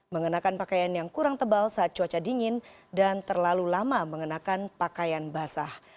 mengenakan pakaian yang kurang tebal saat cuaca dingin dan terlalu lama mengenakan pakaian basah